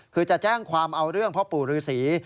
คือจะแจ้งความเอาเรื่องพ่อปู่ฤษี